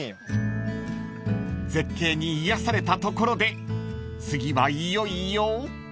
［絶景に癒やされたところで次はいよいよ］